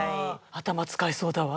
頭使いそうだわ。